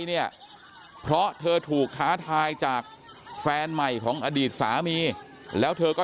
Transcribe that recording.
เนี่ยเพราะเธอถูกท้าทายจากแฟนใหม่ของอดีตสามีแล้วเธอก็